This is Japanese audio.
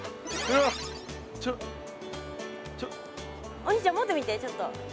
お兄ちゃん持ってみてちょっと。